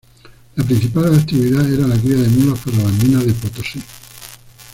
La principal actividad era la cría de mulas para las minas de Potosí.